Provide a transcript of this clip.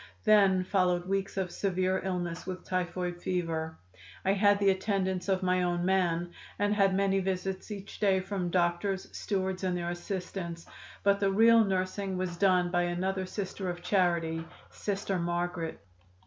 Then followed weeks of severe illness with typhoid fever. I had the attendance of my own man, and had many visits each day from doctors, stewards and their assistants, but the real nursing was done by another Sister of Charity, Sister Margaret.